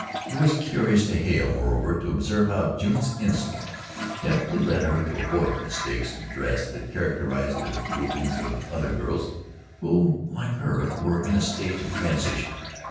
It was curious to Hale, moreover, to observe how June's instinct deftly led her to avoid the mistakes in dress that characterized the gropings of other girls who, like her, were in a stage of transition.